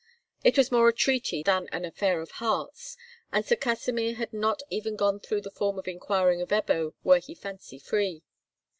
It was more a treaty than an affair of hearts, and Sir Kasimir had not even gone through the form of inquiring if Ebbo were fancy free.